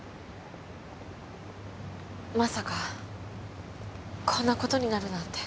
まさかこんな事になるなんて。